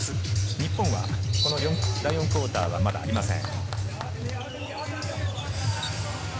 日本は第４クオーターはまだありません。